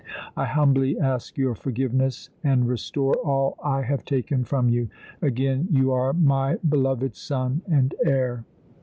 I humbly ask your forgiveness and restore all I have taken from you. Again you are my beloved son and heir."